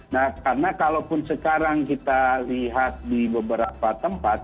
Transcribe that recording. nah karena kalaupun sekarang kita lihat di beberapa tempat